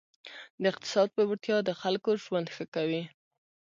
د اقتصاد پیاوړتیا د خلکو ژوند ښه کوي.